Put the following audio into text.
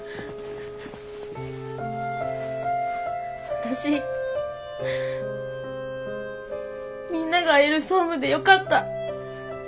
私みんながいる総務でよかった。